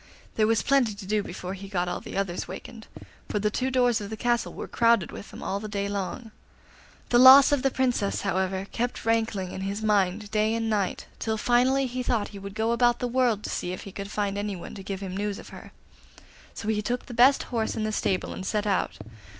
There was plenty to do before he got all the others wakened, for the two doors of the castle were crowded with them all the day long. The loss of the Princess, however, kept rankling in his mind day and night, till finally he thought he would go about the world to see if he could find anyone to give him news of her. So he took the best horse in the stable and set out.